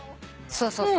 そうそう。